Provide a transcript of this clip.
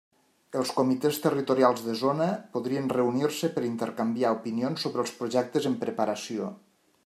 Els Comitès Territorials de zona, podrien reunir-se per intercanviar opinions sobre els projectes en preparació.